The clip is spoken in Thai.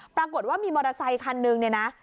ปรากฏว่ามีมอเตอร์ไซคันนึงเนี่ยนะ